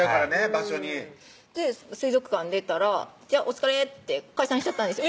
場所に水族館出たら「じゃあお疲れ」って解散しちゃったんですよ